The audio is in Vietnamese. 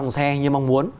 những dòng xe như mong muốn